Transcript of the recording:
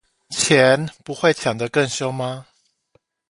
錢不會搶得更兇嗎？